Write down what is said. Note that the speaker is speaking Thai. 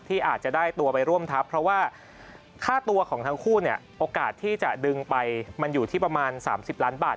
อาจจะได้ตัวไปร่วมทัพเพราะว่าค่าตัวของทั้งคู่เนี่ยโอกาสที่จะดึงไปมันอยู่ที่ประมาณ๓๐ล้านบาท